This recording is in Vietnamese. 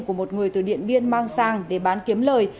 của một người từ điện biên mang sang để bán kiếm lời